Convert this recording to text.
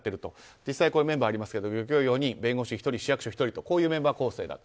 実際、ここにメンバーがありますが漁協４人弁護士１人市役所１人というメンバー構成だと。